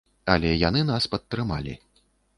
Але яны нас падтрымалі.